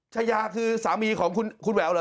ชายาคือสามีของคุณแหววเหรอ